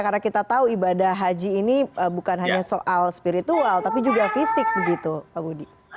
karena kita tahu ibadah haji ini bukan hanya soal spiritual tapi juga fisik begitu pak budi